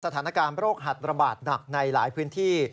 สถานการณ์โรคหัดระบาดหนักในหลายพื้นที่